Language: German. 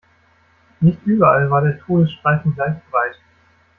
Nicht überall war der Todesstreifen gleich breit.